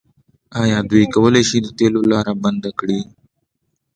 آیا دوی کولی شي د تیلو لاره بنده کړي؟